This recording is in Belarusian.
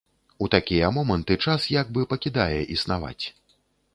У такія моманты час як бы пакідае існаваць.